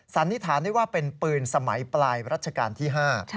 สันนิษฐานได้ว่าเป็นปืนสมัยปลายรัชกาลที่๕